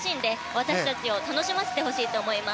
私たちを楽しませてほしいです。